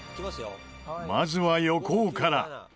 まずは横尾から。